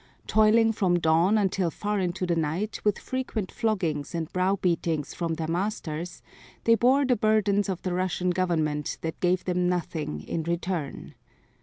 Toiling from dawn until far into the night with frequent floggings and browbeatings from their masters they bore the burdens of the Russian government that gave them nothing in return.